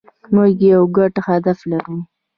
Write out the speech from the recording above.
موږ یو ګډ هدف لرو.